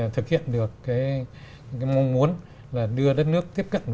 thực hiện được